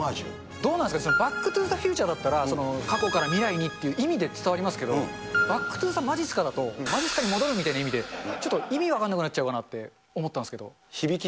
どうなんすか、バック・トゥ・ザ・フューチャーだったら、過去から未来にっていう意味で伝わりますけど、バック・トゥ・ザ・まじっすかに戻るみたいな意味で、ちょっと意味分かんなくなっちゃうかなって思ったんですけど。